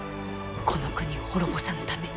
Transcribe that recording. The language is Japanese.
この国を滅ぼさぬために。